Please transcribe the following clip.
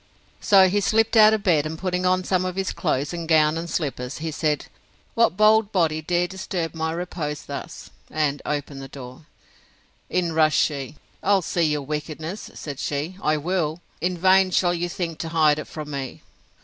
So he slipt out of bed, and putting on some of his clothes, and gown and slippers, he said, What bold body dare disturb my repose thus? and opened the door. In rushed she: I'll see your wickedness, said she, I will! In vain shall you think to hide it from me.